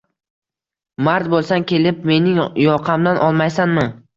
Mard bo`lsang, kelib mening yoqamdan olmaysanmi